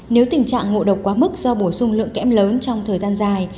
nếu tình trạng ngộ độc quá mức do bổ sung lượng kẽm lớn trong thời gian dài